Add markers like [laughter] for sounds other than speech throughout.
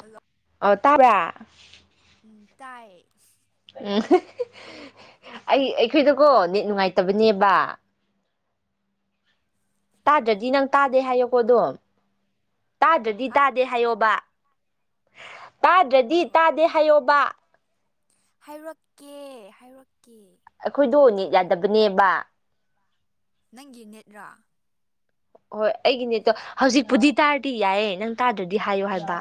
ꯍꯜ ꯇꯥꯕꯥ ꯎꯝ ꯇꯥꯏꯌꯦ ꯎꯝ ꯑꯩ ꯑꯩꯈꯣꯏꯗꯀꯣ ꯅꯦꯠ ꯅꯨꯡꯉꯥꯏꯇꯕꯅꯦꯕ ꯇꯥꯗ꯭ꯔꯗꯤ ꯅꯪ ꯇꯥꯗꯦ ꯍꯥꯏꯌꯣꯀꯣꯗꯣ ꯇꯥꯗ꯭ꯔꯗꯤ ꯍꯥ ꯇꯥꯗꯦ ꯍꯥꯏꯌꯣꯕ ꯇꯥꯗ꯭ꯔꯗꯤ ꯍꯣꯏ ꯍꯣꯏ ꯇꯥꯗꯦ ꯍꯥꯏꯌꯣꯕ ꯍꯥꯏꯔꯛꯀꯦ ꯍꯥꯏꯔꯛꯀꯦ ꯑꯩꯈꯣꯏꯗꯣ ꯅꯦꯠ ꯌꯥꯗꯕꯅꯦꯕ ꯅꯪꯒꯤ ꯅꯦꯠꯔꯥ ꯍꯣꯏ ꯑꯩꯒꯤꯅꯦꯠꯇꯣ ꯍꯧꯖꯤꯛꯄꯨꯗꯤ ꯇꯥꯔꯗꯤ ꯌꯥꯏꯌꯦ ꯅꯪ ꯇꯥꯗ꯭ꯔꯗꯤ ꯍꯥꯏꯌꯨ ꯍꯥꯏꯕ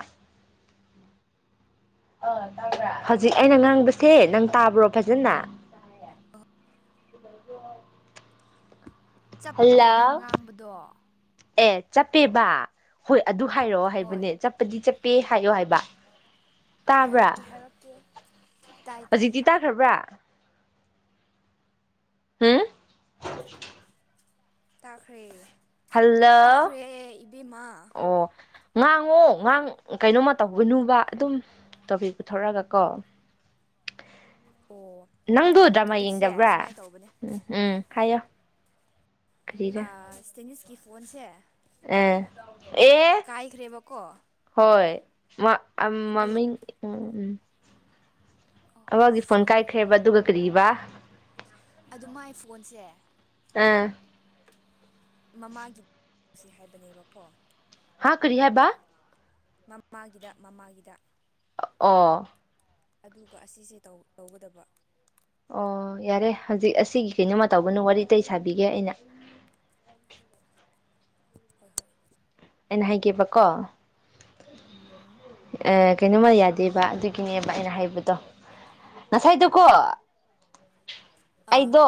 ꯍꯧꯖꯤꯛ ꯑꯩꯅ ꯉꯥꯡꯕꯁꯦ ꯅꯪ ꯇꯥꯕ꯭ꯔꯣ ꯐꯖꯅ ꯍ ꯆꯞꯄꯦ ꯅꯪ ꯍꯜꯂꯣ ꯉꯥꯡꯕꯗꯣ ꯑꯦ ꯆꯞꯄꯦꯕ ꯍꯣꯏ ꯑꯗꯨ ꯍꯥꯏꯔꯛꯑꯣ ꯍꯣꯏ ꯍꯥꯏꯕꯅꯦ ꯆꯠꯄꯗꯤ ꯆꯠꯄꯦ ꯍꯥꯏꯌꯣ ꯍꯥꯏꯕ ꯇꯥꯕ꯭ꯔꯥ ꯍꯥꯏꯔꯛꯀꯦ ꯍꯥꯏꯔꯛꯀꯦ ꯇꯥꯏ ꯇꯥꯏ ꯈꯕ꯭ꯔ ꯍꯥ ꯇꯥꯈ꯭ꯔꯦ ꯍꯜꯂꯣ ꯇꯥꯈ꯭ꯔꯦ ꯏꯕꯦꯝꯃ ꯑꯣ ꯉꯥꯡꯉꯣ ꯉꯥꯡ ꯀꯩꯅꯣꯃ ꯇꯧꯒꯅꯨꯕ ꯑꯗꯨꯝ ꯇꯣꯄꯤꯛ ꯄꯨꯊꯣꯔꯛꯒ ꯀꯣ ꯑꯣ [inaudible] ꯅꯪꯗꯨ ꯗ꯭ꯔꯃꯥ ꯇꯣꯄꯤꯛꯁꯦ ꯌꯦꯡꯗꯕ꯭ꯔꯥ ꯁꯨꯃꯥꯏꯅ ꯇꯧꯕꯅꯦ ꯎꯝ ꯍꯥꯏꯌꯣ ꯑ ꯀꯔꯤꯔ ꯁ꯭ꯇꯦꯅꯤꯁꯒꯤ ꯐꯣꯟꯁꯦ ꯑ ꯑꯦ ꯀꯥꯏꯈ꯭ꯔꯦꯕꯀꯣ ꯍꯣꯏ ꯃ ꯑꯗꯨ ꯃꯃꯤꯡ ꯑꯣ ꯑꯕꯥꯗꯤ ꯐꯣꯟ ꯁꯣꯔꯤ ꯀꯥꯏꯈ꯭ꯔꯦꯕ ꯑꯗꯨꯒ ꯀꯔꯤꯕꯥ ꯑꯗꯨ ꯃꯥꯏ ꯐꯣꯟꯁꯦ ꯑꯥ ꯃꯃꯥꯒꯤ ꯇꯁꯤ ꯍꯥꯏꯕꯅꯦꯕꯀꯣ ꯍꯥ ꯀꯔꯤ ꯍꯥꯏꯕ ꯃꯃꯥꯒꯤꯗ ꯃꯃꯥꯒꯤꯗ ꯑꯣ ꯑꯗꯨꯒ ꯑꯁꯤꯁꯦ ꯇꯧ ꯇꯧꯒꯗꯕ ꯑꯣ ꯌꯥꯔꯦ ꯍꯧꯖꯤꯛ ꯑꯁꯤꯒꯤ ꯀꯩꯅꯣꯃ ꯇꯧꯕꯅ ꯋꯥꯔꯤ ꯑꯗꯇꯩ ꯁꯥꯕꯤꯒꯦ ꯑꯩꯅ ꯍꯣꯏ ꯍꯣꯏ ꯑꯩꯅ ꯍꯥꯏꯒꯦꯕꯀꯣ ꯎꯝ ꯑꯦ ꯀꯩꯅꯣꯝꯃ ꯌꯥꯗꯦꯕ ꯑꯗꯨꯒꯤꯅꯦꯕ ꯑꯩꯅ ꯍꯥꯏꯕꯗꯣ ꯉꯁꯥꯏꯗꯨꯀꯣ ꯑꯥ ꯑꯩꯗꯣ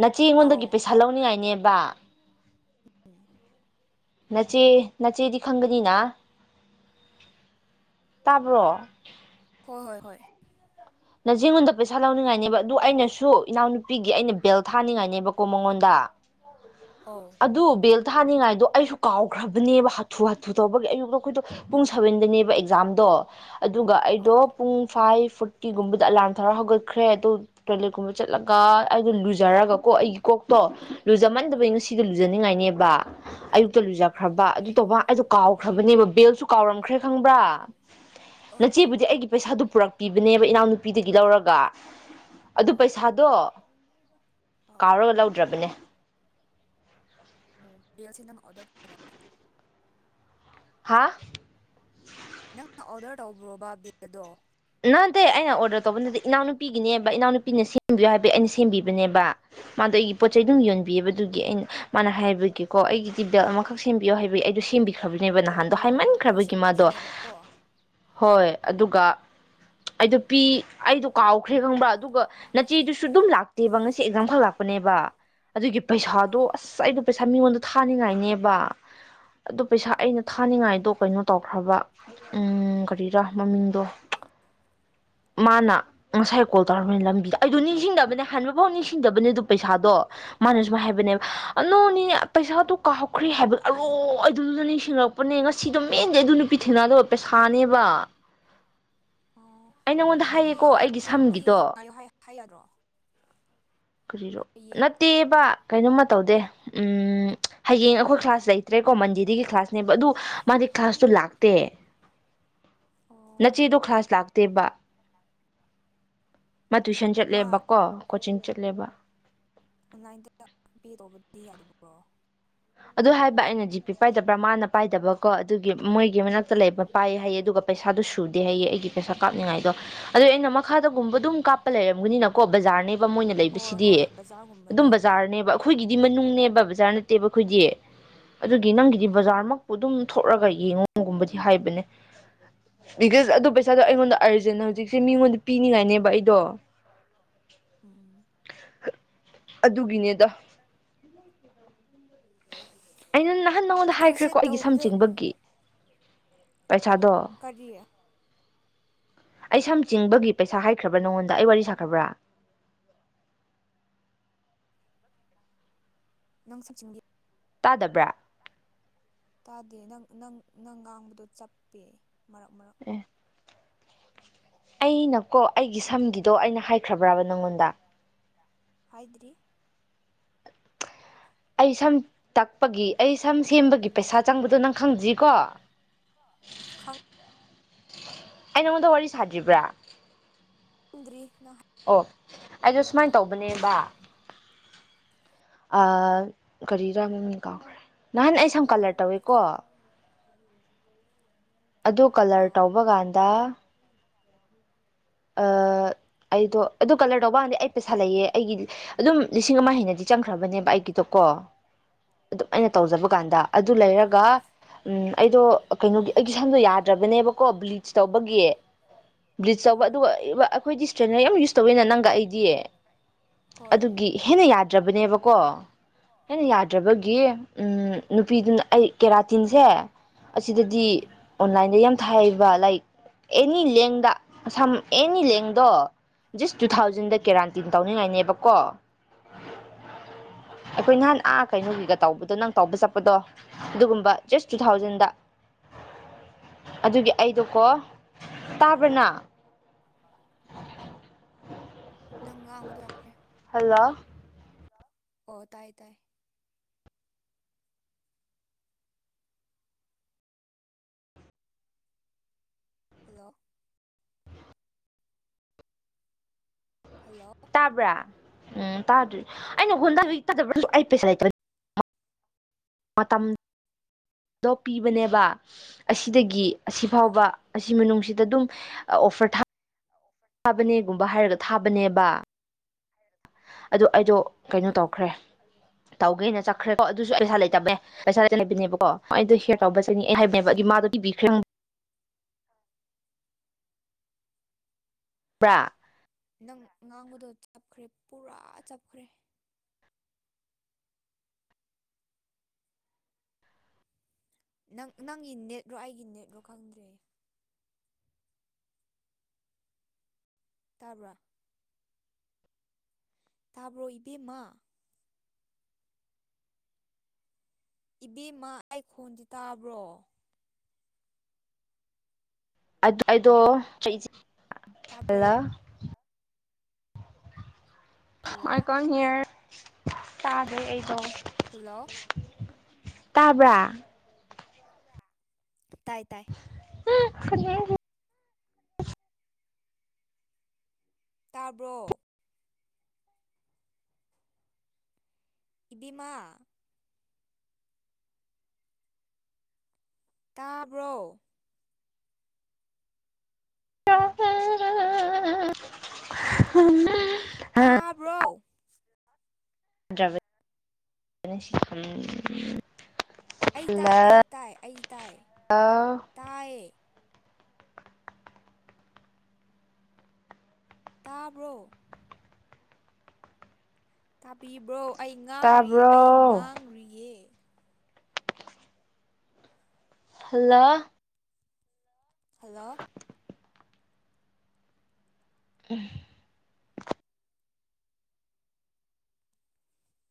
ꯅꯆꯦ ꯉꯣꯟꯗꯒꯤ ꯑꯧ ꯄꯩꯁꯥ ꯂꯧꯅꯤꯡꯉꯥꯏꯅꯦꯕ [unintelligible] ꯅꯆꯦ ꯅꯆꯦꯗꯤ ꯈꯪꯒꯅꯤꯅ ꯇꯥꯕ꯭ꯔꯣ ꯍꯣꯏ ꯍꯣꯏ ꯍꯣꯏ ꯅꯆꯦꯉꯣꯟꯗ ꯄꯩꯁꯥ ꯂꯧꯅꯤꯡꯉꯥꯏꯅꯦꯕ ꯑꯗꯨ ꯑꯩꯅꯁꯨ ꯏꯅꯥꯎꯅꯨꯄꯤꯒꯤ ꯑꯩꯅ ꯕꯦꯜ ꯊꯥꯅꯤꯡꯉꯥꯏꯅꯦꯕꯀꯣ ꯃꯉꯣꯟꯗ ꯑꯧ ꯑꯗꯨ ꯕꯦꯜ ꯊꯥꯅꯤꯡꯉꯥꯏꯗꯣ ꯑꯩꯁꯨ ꯀꯥꯎꯈ꯭ꯔꯕꯅꯦꯕ ꯍꯥꯊꯨ ꯍꯥꯊꯨ ꯇꯧꯕꯒꯤ ꯑꯩꯖꯨ ꯃꯈꯣꯏꯗꯣ ꯄꯨꯡ ꯁꯚꯦꯟꯗꯅꯦꯕ ꯑꯦꯛꯖꯥꯝꯗꯣ ꯑꯗꯨꯒ ꯑꯩꯗꯣ ꯑꯧ ꯄꯨꯡ ꯐꯥꯏꯚ ꯐꯣꯔ ꯇꯤꯒꯨꯝꯕꯗ ꯑꯂꯥꯔꯝ ꯇꯧꯔꯒ ꯍꯧꯒꯠꯈ꯭ꯔꯦ ꯑꯗꯣ ꯇꯣꯏꯂꯦꯠꯒꯨꯝꯕ ꯆꯠꯂꯒ ꯑꯩꯗꯤ ꯂꯨꯖꯔꯒ ꯀꯣ ꯑꯩꯒꯤ ꯀꯣꯛꯇꯣ ꯂꯨꯖꯃꯟꯗꯕꯩꯩ ꯉꯁꯤꯗꯤ ꯂꯨꯖꯅꯤꯡꯉꯥꯏꯅꯦꯕ ꯑꯌꯨꯛꯇ ꯎꯝ ꯂꯨꯖꯈ꯭ꯔꯕ ꯑꯗꯨ ꯇꯧꯕ ꯑꯩꯗꯣ ꯀꯥꯎꯈ꯭ꯔꯕꯅꯦꯕ ꯕꯦꯜꯁꯨ ꯀꯥꯎꯔꯝꯈ꯭ꯔꯦ ꯈꯪꯕ꯭ꯔꯥ ꯑꯣ ꯅꯆꯦꯕꯨꯗꯤ ꯑꯩꯒꯤ ꯄꯩꯁꯥꯗꯨ ꯄꯨꯔꯛꯇꯦ ꯅꯦꯕ ꯏꯅꯥꯎꯅꯨꯄꯤꯗꯒꯤ ꯂꯧꯔꯒ ꯑꯗꯨ ꯑꯣ ꯄꯩꯁꯥꯗꯣ ꯑꯧ ꯀꯥꯎꯔꯒ ꯂꯧꯗ꯭ꯔꯕꯅꯦ ꯕꯦꯜꯁꯤ ꯅꯪꯅ ꯑꯣꯗꯔ ꯇꯧꯕ ꯍꯥꯥ ꯅꯪꯅ ꯑꯣꯔꯗ ꯇꯧꯕ꯭ꯔꯣꯕ ꯕꯦꯜꯗꯣ ꯅꯠꯇꯦ ꯑꯩꯅ ꯑꯣꯔꯗꯔ ꯇꯧꯕ ꯅꯠꯇꯦ ꯏꯅꯥꯎꯅꯨꯄꯤꯒꯤꯅꯦꯕ ꯏꯅꯥꯎꯅꯨꯄꯤꯅ ꯁꯦꯝꯕꯤꯌꯨ ꯍꯥꯏꯕ ꯑꯩꯅ ꯁꯦꯝꯕꯤꯕꯅꯦꯕ ꯃꯥꯗꯣ ꯑꯩꯒꯤ ꯄꯣꯠꯆꯩꯩ ꯑꯗꯨꯝ ꯌꯣꯟꯕꯤꯌꯦꯕ ꯑꯗꯨꯒꯤ ꯑꯩꯅ ꯃꯥꯅ ꯍꯥꯏꯕꯒꯤꯀꯣ ꯑꯩꯒꯤꯗꯤ ꯕꯦꯜ ꯑꯃꯈꯛ ꯁꯦꯝꯕꯤꯌꯣ ꯍꯥꯏꯕꯒꯤ ꯑꯩꯗꯣ ꯁꯦꯝꯕꯤ ꯈ꯭ꯔꯕꯅꯦꯕ ꯅꯍꯥꯟꯗꯣ ꯑꯣ ꯍꯥꯏꯃꯟꯈ꯭ꯔꯕꯒꯤ ꯃꯥꯗꯣ ꯀ꯭ꯔꯣꯁꯦꯠꯀꯤꯅꯦꯕꯀꯣ ꯍꯣꯏ ꯑꯗꯨꯒ ꯑꯩꯗꯣ ꯄꯤ ꯑꯩꯗꯣ ꯀꯥꯎꯈ꯭ꯔꯦ ꯈꯪꯕ꯭ꯔꯥ ꯑꯗꯨꯒ ꯅꯆꯦꯗꯨꯁꯨ ꯑꯗꯨꯝ ꯂꯥꯛꯇꯦꯕ ꯉꯁꯤ ꯑꯦꯛꯖꯥꯝ ꯈꯛ ꯂꯥꯛꯄꯅꯦꯕ ꯑꯗꯨꯒꯤ ꯄꯩꯁꯥꯗꯣ ꯑꯥ ꯑꯁ ꯑꯩꯗꯣ ꯄꯩꯁꯥ ꯃꯤꯉꯣꯟꯗ ꯊꯥꯅꯤꯡꯉꯥꯏꯅꯦꯕ ꯑꯗꯨ ꯄꯩꯁꯥ ꯑꯩꯅ ꯑꯣ ꯊꯥꯅꯤꯡꯉꯥꯏꯗꯣ ꯀꯩꯅꯣ ꯇꯧꯈ꯭ꯔꯕ ꯎꯝ ꯀꯔꯤꯔ ꯃꯃꯤꯡꯗꯣ ꯃꯥꯅ ꯉꯁꯥꯏ ꯀꯣꯜ ꯇꯧꯔꯝꯃꯦ ꯂꯝꯕꯤꯗ ꯑꯩꯗꯣ ꯅꯤꯡꯁꯤꯡꯗꯕꯅꯦ ꯍꯟꯕꯐꯥꯎ ꯅꯤꯡꯁꯤꯡꯗꯕꯅꯦ ꯑꯗꯨ ꯄꯩꯁꯥꯗꯣ ꯃꯥꯅ ꯁꯨꯃꯥꯏ ꯍꯥꯏꯕꯅꯦꯕ ꯅꯣꯅꯦ ꯄꯩꯁꯥꯗꯨ ꯀꯥꯎꯈ꯭ꯔꯦ ꯍꯥꯏꯕ ꯑꯔꯣ ꯑꯩ ꯑꯗꯨꯗꯨꯗꯅꯤ ꯅꯤꯡꯁꯤꯡꯉꯛꯄ ꯄꯅꯦ ꯉꯁꯤꯗꯣ ꯃꯦꯟꯗꯤ ꯑꯗꯨ ꯅꯨꯄꯤ ꯊꯦꯡꯅꯕꯗꯣ ꯄꯩꯁꯥꯅꯦꯕ ꯑꯣ ꯑꯩ ꯅꯪꯉꯣꯟꯗ ꯑꯗꯨ ꯍꯥꯏꯌꯦꯀꯣ ꯑꯩꯒꯤ ꯍꯌꯦꯡꯗꯤ ꯁꯝꯒꯤꯗꯣ ꯉꯥꯏꯌꯣ ꯍꯥꯏ ꯍꯥꯏꯌꯥꯗ꯭ꯔꯣ ꯀꯔꯤꯔꯣ ꯅꯠꯇꯦꯕ ꯀꯩꯅꯣꯝꯃ ꯇꯧꯗꯦ ꯎꯝ ꯍꯌꯦꯡ ꯑꯩꯈꯣꯏ ꯀ꯭ꯂꯥꯁ ꯂꯩꯇ꯭ꯔꯦꯀꯣ ꯃꯟꯗꯦꯗꯒꯤ ꯀ꯭ꯂꯥꯁꯅꯦꯕ ꯑꯗꯨ ꯃꯥꯗꯤ ꯀ꯭ꯂꯥꯁꯇꯨ ꯂꯥꯛꯇꯦ [inaudible] ꯑꯣ ꯅꯆꯦꯗꯣ ꯀ꯭ꯂꯥꯁ ꯂꯥꯛꯇꯦꯕ ꯃꯥ ꯇꯨꯏꯁꯟ ꯑꯣ ꯃꯥ ꯆꯠꯂꯦꯕꯀꯣ ꯀꯣꯆꯤꯡ ꯆꯠꯂꯦꯕ ꯑꯣꯟꯂꯥꯏꯟꯗ ꯄꯦ ꯇꯧꯕꯗꯤ ꯌꯥꯗꯕ꯭ꯔꯣ ꯑꯗꯨ ꯍꯥꯏꯕ ꯑꯩꯅ ꯖꯤ ꯄꯤ ꯄꯥꯏꯗꯕ꯭ꯔꯥ ꯃꯥꯅ ꯄꯥꯏꯗꯕ ꯀꯣ ꯑꯗꯨꯒꯤ ꯃꯣꯏꯒꯤ ꯃꯅꯥꯛꯇ ꯂꯩꯕ ꯄꯥꯏ ꯍꯥꯏꯌꯦ ꯑꯗꯨꯒ ꯄꯩꯁꯥꯗꯨ ꯁꯨꯗꯦ ꯍꯥꯏꯌꯦ ꯑꯩꯒꯤ ꯄꯩꯁꯥ ꯀꯥꯞꯅꯤꯡꯉꯥꯏꯗꯣ ꯑꯗꯣ ꯑꯩꯅ ꯃꯈꯥꯗꯒꯨꯝꯕ ꯑꯗꯨꯝ ꯀꯥꯞꯄ ꯂꯩꯔꯝꯒꯅꯤꯅ ꯀꯣ ꯕꯖꯥꯔꯅꯦꯕ ꯃꯣꯏꯅ ꯍꯣꯏ ꯂꯩꯕꯁꯤꯗꯤ ꯍꯣꯏ ꯑꯗꯨꯝ ꯕꯖꯥꯔꯒꯨꯝꯕꯗ ꯕꯖꯥꯔꯅꯦꯕ ꯑꯈꯣꯏꯒꯤꯗꯤ ꯃꯅꯨꯡꯅꯦꯕ ꯕꯖꯥꯔ ꯅꯠꯇꯦꯕ ꯑꯈꯣꯏꯗꯤ ꯑꯗꯨꯒꯤ ꯅꯪꯒꯤꯗꯤ ꯑꯣ ꯕꯖꯥꯔꯃꯛꯄꯨ ꯑꯗꯨꯝ ꯊꯣꯛꯔꯒ ꯌꯦꯡꯉꯨꯒꯨꯝꯕꯗꯤ ꯍꯥꯏꯕꯅꯦ ꯕꯤꯀꯁ ꯑꯗꯨ ꯄꯩꯁꯥꯗꯣ ꯑꯩꯉꯣꯟꯗ ꯑꯔꯖꯦꯟ ꯍꯧꯖꯤꯛꯁꯦ ꯃꯤꯉꯣꯟꯗ ꯄꯤꯅꯤꯡꯉꯥꯏꯅꯦꯕ ꯑꯩꯗꯣ [inaudible] ꯎꯝ ꯑ ꯑꯗꯨꯒꯤꯅꯦꯗ [unintelligible] ꯑꯩꯅ ꯅꯍꯥꯟ ꯅꯉꯣꯟꯗ ꯀ꯭ꯔꯣꯁꯦꯠ ꯍꯥꯏꯈ꯭ꯔꯦꯀꯣ ꯑꯩꯒꯤ ꯁꯝ ꯇꯧꯕꯗ ꯆꯤꯡꯕꯒꯤ ꯄꯩꯁꯥꯗꯣ ꯀꯔꯤ ꯑꯩ ꯁꯝ ꯆꯤꯡꯕꯒꯤ ꯄꯩꯁꯥ ꯍꯥꯏꯈ꯭ꯔꯕ꯭ꯔꯥ ꯅꯉꯣꯟꯗ ꯑꯩ ꯋꯥꯔꯤ ꯁꯥꯈ꯭ꯔꯕ꯭ꯔꯥ [unintelligible] ꯅꯪ ꯁꯛꯆꯤꯡꯒꯤ ꯇꯥꯗꯕ꯭ꯔꯥ ꯇꯥꯗꯦ ꯅꯪ ꯅꯪ ꯅꯪ ꯉꯥꯡꯕꯗꯣ ꯆꯞꯄꯦ ꯃꯔꯛ ꯃꯔꯛ ꯑꯦ ꯑꯩꯅꯀꯣ ꯑꯩꯒꯤ ꯁꯝꯒꯤꯗꯣ ꯑꯩꯅ ꯍꯥꯏꯈ꯭ꯔꯕ꯭ꯔꯕ ꯅꯪꯉꯣꯟꯗ ꯍꯥꯏꯗꯔꯤ ꯑꯩ ꯁꯝ ꯇꯛꯄꯒꯤ ꯑꯩ ꯁꯝ ꯁꯦꯝꯕꯒꯤ ꯄꯩꯁꯥ ꯆꯪꯕꯗꯣ ꯅꯪ ꯈꯪꯗ꯭ꯔꯤꯀꯣ ꯈꯪ ꯑꯩ ꯅꯪꯉꯣꯟꯗ ꯋꯥꯔꯤ ꯁꯥꯗ꯭ꯔꯤꯕ꯭ꯔꯥ ꯈꯪꯗ꯭ꯔꯤ ꯅꯪ ꯑꯣ ꯑꯩꯗꯣ ꯁꯨꯃꯥꯏꯅ ꯍꯥꯏꯔꯛꯇꯦ ꯇꯧꯕꯅꯦꯕ ꯑꯩ ꯀꯔꯤ ꯔꯥ ꯃꯃꯤꯡ ꯀꯥꯎꯈꯔꯦ ꯅꯍꯥꯟ ꯑꯩ ꯁꯝ ꯀꯂꯔ ꯇꯧꯋꯦꯀꯣ ꯑꯗꯨ ꯀꯂꯔ ꯑꯣ ꯇꯧꯕ ꯀꯥꯟꯗ ꯑ ꯑꯩꯗꯣ ꯑꯗꯨ ꯀꯂꯔ ꯇꯧꯕꯥꯟꯗꯤ ꯑꯩ ꯄꯩꯁꯥ ꯂꯩꯌꯦ ꯑꯩꯒꯤ ꯑꯗꯨꯝ ꯂꯤꯁꯤꯡ ꯑꯃ ꯍꯦꯟꯅꯗꯤ ꯆꯪꯈ꯭ꯔꯕꯅꯦꯕ ꯑꯩꯒꯤꯗꯣꯀꯣ ꯑꯗꯨꯝ ꯑꯩꯅ ꯑꯣ ꯇꯧꯖꯕ ꯀꯥꯟꯗ ꯑꯗꯨ ꯂꯩꯔꯒ ꯎꯝ ꯑꯩꯗꯣ ꯀꯩꯅꯣꯒꯤ ꯑꯩꯒꯤ ꯁꯝꯗꯣ ꯌꯥꯗ꯭ꯔꯕꯅꯦꯕ ꯀꯣ ꯕ꯭ꯂꯤꯆ ꯇꯧꯕꯒꯤ ꯕ꯭ꯂꯤꯆ ꯇꯧꯕ ꯎꯝ ꯑꯩꯕ ꯑꯩꯈꯣꯏꯗꯤ ꯏꯁ꯭ꯇ꯭ꯔꯦꯠꯅꯔ ꯌꯥꯝ ꯌꯨꯁ ꯇꯧꯋꯦꯅ ꯅꯪꯒ ꯑꯩꯗꯤ ꯍꯣꯏ ꯑꯗꯨꯒꯤ ꯍꯦꯟꯅ ꯌꯥꯗ꯭ꯔꯕꯅꯦꯕꯀꯣ ꯍꯦꯟꯅ ꯑꯣ ꯌꯥꯗ꯭ꯔꯕꯒꯤ ꯅꯨꯄꯤꯗꯨꯅ ꯑꯩ ꯀꯦꯔꯥꯇꯤꯟꯁꯦ ꯑꯁꯤꯗꯗꯤ ꯎꯝ ꯑꯣꯟꯂꯥꯏꯟꯗ ꯌꯥꯝ ꯊꯥꯏꯑꯕ ꯂꯥꯏꯀ ꯑꯦꯅꯤ ꯂꯦꯡꯗ ꯑꯁꯝ ꯑꯦꯅꯤ ꯂꯦꯡꯗꯣ ꯖꯁ ꯇꯨ ꯊꯥꯎꯖꯟꯗ ꯀꯦꯔꯥꯟꯇꯤꯟ ꯇꯧꯅꯤꯡꯉꯥꯏꯅꯦꯕꯀꯣ ꯑꯩꯈꯣꯏ ꯅꯍꯥꯟ ꯑꯥ ꯀꯩꯅꯣꯒꯤꯒ ꯇꯧꯕꯗꯣ ꯅꯪ ꯇꯧꯕ ꯆꯠꯄꯗꯣ ꯑꯗꯨꯒꯨꯝꯕ ꯖꯁ ꯇꯨ ꯊꯥꯎꯖꯟꯗ ꯑꯗꯨꯒꯤ ꯑꯩꯗꯣꯀꯣ ꯇꯥꯕ꯭ꯔꯅ ꯅꯪ ꯉꯥꯡꯕꯗꯣ ꯑꯞꯄ꯭ꯔꯦ ꯍꯜꯂꯣ ꯍꯜꯂꯣ ꯑꯣ ꯇꯥꯏ ꯇꯥꯏ ꯍꯜꯂꯣ ꯍꯜꯂꯣ ꯇꯥꯕ꯭ꯔꯥ ꯎꯝ ꯇꯥꯗ꯭ꯔꯤ ꯑꯩꯅ ꯍꯣꯟꯗ ꯇꯥꯏ ꯍꯧꯖꯤꯛ ꯄꯩꯁꯥ ꯂꯩꯇꯕꯩ ꯃꯇꯝꯗꯣ ꯄꯤꯕꯅꯦꯕ ꯑꯁꯤꯗꯒꯤ ꯑꯣ ꯑꯁꯤꯐꯥꯎꯕ ꯑꯁꯤ ꯃꯅꯨꯡꯁꯤꯗ ꯑꯗꯨꯝ ꯑꯣꯐꯔ ꯊꯥ ꯊꯥꯕꯅꯦꯒꯨꯝꯕ ꯍꯥꯏꯔꯒ ꯊꯥꯕꯅꯦꯕ ꯑꯗꯨ ꯑꯩꯗꯣ ꯀꯩꯅꯣ ꯑꯣ ꯇꯧꯈ꯭ꯔꯦ ꯇꯧꯒꯦꯅ ꯆꯠꯈ꯭ꯔꯦꯀꯣ ꯑꯗꯨꯁꯨ ꯄꯩꯁꯥ ꯂꯩꯇꯕꯩ ꯄꯩꯁꯥ ꯍꯥꯏꯕꯤꯅꯦꯕꯀꯣ ꯑꯩꯗꯣ ꯍꯤꯌꯔ ꯇꯧꯕꯕꯕꯁꯤꯅꯤ ꯑꯩ ꯍꯥꯏꯕꯅꯦꯕ ꯑꯗꯨꯒꯤ ꯃꯥꯗꯣ ꯄꯤꯕꯤꯈ꯭ꯔꯦ ꯄꯔ ꯅꯪ ꯉꯥꯡꯕꯗꯣ ꯆꯞꯈ꯭ꯔꯦ ꯄꯨꯔꯥ ꯆꯞꯈ꯭ꯔꯦ ꯅꯪ ꯅꯪꯒꯤ ꯅꯦꯠꯔꯣ ꯑꯩꯒꯤ ꯅꯦꯠꯔꯣ ꯈꯪꯗ꯭ꯔꯦ ꯇꯥꯕ꯭ꯔꯥ ꯇꯥꯕ꯭ꯔꯣ ꯏꯕꯦꯝꯃ ꯏꯕꯦꯝꯃ ꯑꯩ ꯈꯣꯟꯗꯤ ꯇꯥꯕ꯭ꯔꯣ ꯑꯗꯣ ꯑꯩꯗꯣꯆꯩ ꯇꯥꯕ꯭ꯔꯣ ꯍꯜꯂꯣ ꯃꯥꯏꯀꯣꯟ ꯍꯤꯌꯔ ꯇꯥꯗ꯭ꯔꯦ ꯑꯩꯗꯣ ꯍꯜꯂꯣ ꯇꯥꯕ꯭ꯔꯥ ꯇꯥꯏ ꯇꯥꯏ ꯇꯥꯕ꯭ꯔꯣ ꯏꯕꯦꯝꯃꯥ ꯇꯥꯕ꯭ꯔꯣ ꯔꯣꯛ ꯌꯥ ꯗ꯭ꯔꯥꯏꯚ ꯁꯤ ꯈꯝ ꯑꯩ ꯇꯥꯏ ꯑꯩ ꯇꯥꯏ ꯑꯩ ꯇꯥꯏ ꯇꯥꯏ ꯇꯥꯕ꯭ꯔꯣ ꯇꯥꯕꯤꯕ꯭ꯔꯣ ꯑꯩ ꯉꯥꯡꯨꯔꯤꯌꯦ ꯇꯥꯕ꯭ꯔꯣ ꯑꯩ ꯉꯥꯡꯨ꯭ꯔꯤꯌꯦ ꯍꯜꯂ ꯍꯜꯂꯣ ꯑ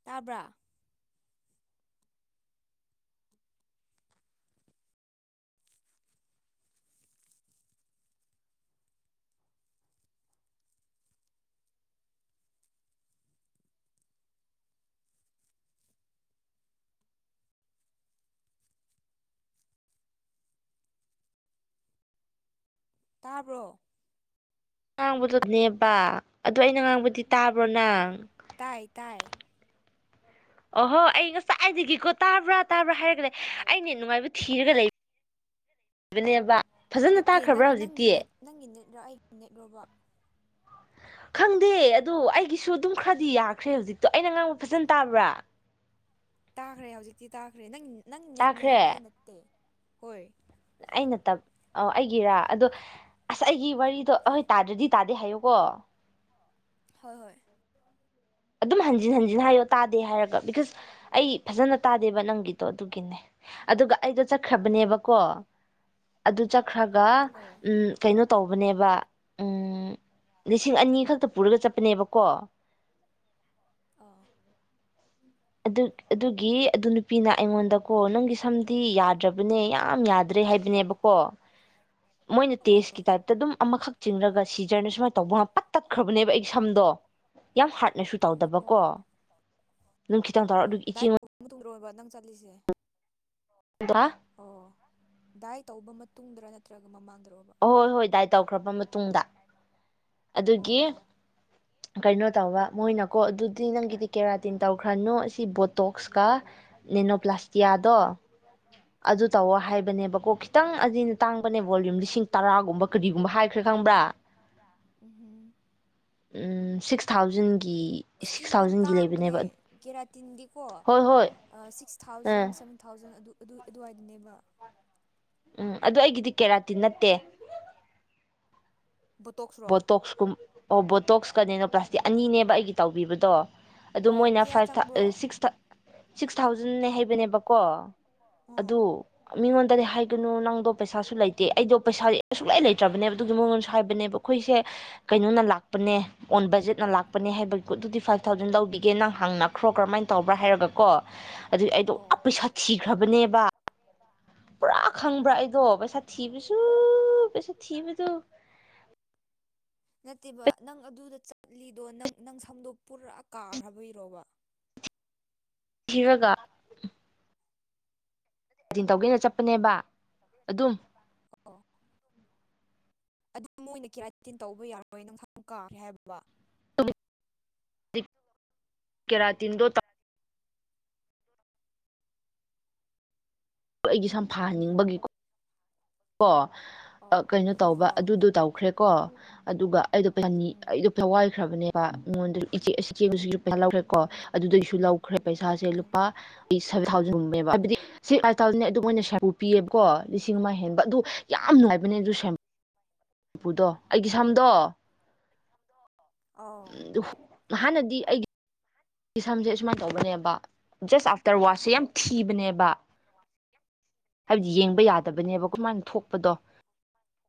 ꯇꯥꯕ꯭ꯔꯥ ꯇꯥꯕ꯭ꯔꯣ ꯉꯥꯡꯕꯗꯨꯅꯦꯕ ꯑꯗꯨꯗ ꯑꯩꯅ ꯉꯥꯡꯕꯗꯤ ꯇꯥꯕ꯭ꯔꯣ ꯅꯪ ꯇꯥꯏ ꯇꯥꯏ ꯑꯣꯍꯣ ꯑꯩ ꯉꯁꯥꯏ ꯑꯗꯒꯤꯀꯣ ꯇꯥꯕ꯭ꯔꯥ ꯇꯥꯕ꯭ꯔꯥ ꯍꯥꯏꯔꯒꯅꯦ ꯑꯩꯅꯦ ꯅꯨꯡꯉꯥꯏꯕ ꯊꯤꯔꯒ ꯂꯩꯕ ꯏꯕꯅꯦꯕ ꯅꯠꯇꯦ ꯅꯪ ꯅꯪꯒꯤ ꯅꯦꯠ ꯅꯪꯒꯤ ꯅꯦꯠꯔꯣ ꯑꯩꯒꯤ ꯅꯦꯠꯂꯣꯕ ꯈꯪꯗꯦ ꯑꯗꯣ ꯑꯩꯒꯤꯁꯨ ꯑꯗꯨꯝ ꯈꯔꯗꯤ ꯌꯥꯈ꯭ꯔꯦ ꯍꯧꯖꯤꯛꯇꯣ ꯑꯩꯅ ꯉꯥꯡꯕ ꯐꯖꯅ ꯇꯥꯕ꯭ꯔꯥ ꯇꯥꯈ꯭ꯔꯦ ꯍꯧꯖꯤꯛꯇꯤ ꯇꯥꯈ꯭ꯔꯦ ꯅꯪ ꯅꯪ ꯅꯦꯠꯅꯦ ꯑꯩ ꯇꯥꯈ꯭ꯔꯦ ꯅꯠꯇꯦ ꯍꯣꯏ ꯑꯩꯅꯠꯇꯕ ꯑ ꯑꯩꯒꯤꯔꯥ ꯑꯗꯣ ꯑꯁ ꯑꯩꯒꯤ ꯋꯥꯔꯤꯗꯣ ꯑꯩꯣꯏ ꯇꯥꯗ꯭ꯔꯗꯤ ꯇꯥꯗꯦ ꯍꯥꯏꯌꯨꯀꯣ ꯍꯣꯏ ꯍꯣꯏ ꯑꯗꯨꯝ ꯍꯟꯖꯤꯟ ꯍꯟꯖꯤꯟ ꯍꯥꯏꯌꯣ ꯇꯥꯗꯦ ꯍꯥꯏꯔꯒ ꯕꯤꯀꯁ ꯑꯩ ꯐꯖꯅ ꯇꯥꯗꯦꯕ ꯅꯪꯒꯤꯗꯣ ꯑꯗꯨꯒꯤꯅꯦ ꯑꯗꯨꯒ ꯑꯩꯗꯣ ꯆꯠꯈ꯭ꯔꯕꯅꯦꯕꯀꯣ ꯑꯗꯨ ꯆꯠꯈ꯭ꯔꯒ ꯑꯣ ꯎ ꯀꯩꯅꯣ ꯇꯧꯕꯅꯦꯕ ꯎꯝ ꯂꯤꯁꯤꯡ ꯑꯅꯤ ꯈꯛꯇ ꯄꯨꯔꯒ ꯆꯠꯄꯅꯦꯕꯀꯣ ꯄꯨ ꯆꯠꯇꯅꯦꯕꯣ ꯑꯗꯨ ꯑꯗꯨꯒꯤ ꯑꯗꯨ ꯅꯨ ꯅꯨꯄꯤꯅ ꯑꯩꯉꯣꯟꯗꯀꯣ ꯅꯪꯒꯤ ꯁꯝꯗꯤ ꯌꯥꯗ꯭ꯔꯕꯅꯦ ꯌꯥꯝ ꯌꯥꯗ꯭ꯔꯦ ꯍꯥꯏꯕꯅꯦꯕꯀꯣ [unintelligible] ꯃꯣꯏꯅ ꯑꯣ ꯇꯦꯁꯀꯤ ꯇꯥꯏꯞꯇ ꯑꯗꯨꯝ ꯑꯃꯈꯛ ꯆꯤꯡꯉꯒ ꯁꯤꯖꯔꯅ ꯁꯨꯃꯥꯏꯅ ꯇꯧꯕ ꯉ ꯄꯠ ꯇꯠꯈ꯭ꯔꯕꯅꯦꯕ ꯑꯩ ꯁꯝꯗꯣ ꯌꯥꯝ ꯍꯥꯔꯠꯅꯁꯨ ꯑꯣ ꯇꯧꯗꯕꯀꯣ ꯑꯗꯨꯝ ꯈꯤꯇꯪ ꯇꯧꯔ ꯑꯣ ꯑꯗꯨꯒꯤ ꯗꯥꯏꯠ ꯏꯆꯦꯉꯣꯟꯗ [unintelligible] ꯑꯣꯏꯕ ꯅꯪ ꯆꯠꯂꯤꯁꯦ [unintelligible] ꯑꯣ ꯗꯥꯏ ꯇꯧꯕ ꯃꯇꯨꯡꯗꯔ ꯅꯠꯇ꯭ꯔꯒ ꯃꯃꯥꯡꯗꯔꯣ ꯍꯣꯏ ꯍꯣꯏ ꯗꯥꯏ ꯇꯧꯈ꯭ꯔꯕ ꯃꯇꯨꯡꯗ ꯑꯗꯨꯒꯤ ꯑꯣ ꯀꯩꯅꯣ ꯇꯧꯕ ꯃꯣꯏꯅꯀꯣ ꯑꯗꯨꯗꯤ ꯅꯪꯒꯤꯗꯤ ꯀꯦꯔꯥꯇꯤꯟ ꯇꯧꯈ꯭ꯔꯅꯣ ꯁꯤ ꯕꯣꯇꯣꯛꯁꯀ ꯅꯦꯅꯣ ꯄ꯭ꯂꯥꯁꯇꯤꯌꯥꯗꯣ ꯑꯗꯨ ꯎꯝ ꯇꯧꯋꯣ ꯍꯥꯏꯕꯅꯦꯕꯀꯣ ꯈꯤꯇꯪ ꯇꯥꯡꯕꯅꯦꯕ ꯕꯣꯂꯌꯨꯝ ꯂꯤꯁꯤꯡ ꯇꯔꯥꯒꯨꯝꯕ ꯀꯔꯤꯒꯨꯝꯕ ꯍꯥꯏꯈ꯭ꯔꯦ ꯈꯪꯕ꯭ꯔꯥ ꯎꯝꯍꯨꯝ ꯑꯝ ꯁꯤꯛꯁ ꯊꯥꯎꯖꯟꯒꯤ ꯍꯁꯇꯤ ꯁꯤꯛꯁ ꯃꯃꯜ ꯊꯥꯎꯖꯟꯒꯤ ꯇꯥꯡꯕꯅꯦ ꯂꯩꯕꯅꯦꯕ ꯀꯦꯔꯥꯇꯤꯟꯒꯤꯀꯣ ꯍꯣꯏ ꯍꯣꯏ six uh thousand seven thousand ꯑꯗꯨ ꯑꯗꯨꯏ ꯑꯗꯨꯋꯥꯏꯗꯅꯦꯕ ꯎꯝ ꯑꯗꯨ ꯑꯩꯒꯤꯗꯤ ꯀꯦꯔꯥꯇꯤꯟ ꯅꯠꯇꯦ ꯕꯣꯇꯣꯛꯁꯔꯣ ꯕꯣꯇꯣꯛꯁꯀꯨꯝ ꯑꯣ ꯕꯣꯇꯣꯛꯁꯀꯅꯦꯅ ꯄ꯭ꯂꯥꯁꯇꯤꯛ ꯑꯅꯤꯅꯦꯕ ꯑꯩꯒꯤ ꯇꯧꯕꯤꯕꯗꯣ ꯑꯗꯨ ꯑꯣ ꯃꯣꯏꯅ ꯀꯌꯥ ꯐꯥꯏꯚ ꯆꯪꯕ꯭ꯔꯣ ꯁꯤꯛꯁ ꯁꯤꯛꯁ ꯊꯥꯎꯖꯟꯅꯦ ꯍꯩꯕꯅꯦꯕꯀꯣ ꯎꯝ ꯑꯗꯨ ꯃꯤꯉꯣꯟꯗꯗꯤ ꯍꯥꯏ ꯀꯩꯅꯣ ꯅꯪꯗꯣ ꯄꯩꯁꯥꯁꯨ ꯂꯩꯇꯦ ꯑꯩꯗꯣ ꯄꯩꯁꯥꯁ ꯑꯨꯛꯂꯩ ꯂꯩꯇ꯭ꯔꯕꯅꯦꯕ ꯑꯗꯨꯒꯤ ꯃꯉꯣꯟꯁꯨ ꯍꯥꯏꯕꯅꯦꯕ ꯑꯩꯈꯣꯏꯁꯦ ꯀꯩꯅꯣꯅ ꯂꯥꯛꯄꯅꯦ ꯑꯣꯟ ꯕꯖꯦꯠꯅ ꯂꯥꯛꯄꯅꯦ ꯍꯥꯏꯕꯒꯤꯀꯣ ꯑꯗꯨꯗꯤ ꯐꯥꯏꯚ ꯊꯥꯎꯖꯟ ꯂꯧꯕꯤꯒꯦ ꯅꯪ ꯍꯪꯅꯈ꯭ꯔꯣ ꯀꯔꯝꯍꯥꯏꯅ ꯇꯧꯕ꯭ꯔꯥ ꯍꯥꯏꯔꯒꯀꯣ ꯑꯗꯨ ꯑꯩꯗꯣ ꯑ ꯑꯣ ꯄꯩꯁꯥ ꯊꯤꯈ꯭ꯔꯕꯅꯦꯕ ꯄꯨꯔꯥ ꯈꯪꯕ꯭ꯔꯥ ꯑꯣ ꯑꯩꯗꯣ ꯄꯩꯁꯥ ꯊꯤꯕꯁꯨ ꯄꯩꯁꯥ ꯊꯤꯕꯗꯨ ꯅꯠꯇꯦꯕ ꯅꯪ ꯑꯗꯨꯗ ꯆꯠꯂꯤꯗꯣ ꯅꯪ ꯅꯪ ꯁꯝꯗꯣ ꯄꯨꯔꯥ ꯀꯥꯈ꯭ꯔ ꯕꯩꯔꯣꯕ [unintelligible] ꯀꯇꯤꯟ ꯇꯧꯒꯦꯅ ꯆꯠꯄꯅꯦꯕ ꯑꯗꯨꯝ ꯑꯣ ꯑꯗꯨ ꯃꯣꯏꯅ ꯀꯌꯥ ꯇꯤꯟ ꯇꯧꯕ ꯌꯥꯔꯣꯏ ꯅꯨꯡꯊꯥꯡ ꯀꯥꯔꯦ ꯍꯥꯏꯕ [unintelligible] ꯀꯪꯔꯥꯇꯤꯟꯗꯣ [unintelligible] ꯑꯩꯒꯤ ꯁꯝ ꯐꯥꯍꯟꯅꯤꯡꯕꯒꯤꯀꯣ ꯀꯣ ꯑꯣ ꯀꯩꯅꯣ ꯇꯧꯕ ꯑꯥ ꯑꯗꯨꯗꯣ ꯇꯧꯈ꯭ꯔꯦꯀꯣ ꯑꯗꯨꯒ ꯑꯩꯗꯣ [unintelligible] ꯎꯝ ꯑꯩꯗꯣ ꯄꯋꯥꯏꯈ꯭ꯔꯕꯅꯦꯕ ꯑꯩꯉꯣꯟꯗ ꯏ ꯏꯆꯦꯕꯨꯁꯨ ꯄꯌꯥ ꯂꯧꯈ꯭ꯔꯦꯀꯣ ꯑꯗꯨꯗꯩꯁꯨ ꯂꯧꯈ꯭ꯔꯦ ꯄꯩꯁꯥꯁꯦ ꯎꯝ ꯂꯨꯄꯥ ꯑꯩ ꯁꯚꯦꯟ ꯊꯥꯎꯖꯟꯕ ꯍꯥꯏꯕꯗꯤ ꯁꯤ ꯊꯥꯎꯖꯟ ꯑꯗꯨꯝ ꯑꯣꯏꯅ ꯁ ꯄꯤꯑꯕꯀꯣ ꯂꯤꯁꯤꯡ ꯑꯃ ꯍꯦꯟꯕ ꯑꯗꯨ ꯌꯥꯝ ꯅꯨꯡꯥꯏꯕꯅꯦ ꯑꯗꯨ ꯎꯄꯨꯗꯣ ꯑꯩꯒꯤ ꯁꯝꯗꯣ ꯑꯥꯎ ꯍꯥꯟꯅꯗꯤ ꯑꯩꯒꯤ ꯁꯝꯁꯦ ꯑꯨꯃꯥꯏꯅ ꯇꯧꯕꯅꯦꯕ ꯖꯁ ꯑꯥꯐꯇꯔ ꯋꯥꯁꯁꯦ ꯌꯥꯝ ꯊꯤꯕꯅꯦꯕ ꯍꯥꯏꯕꯗꯤ ꯌꯦꯡꯕ ꯌꯥꯗꯕꯅꯦꯕ ꯀꯃꯥꯏꯅ ꯊꯣꯛꯄꯗꯣ [unintelligible]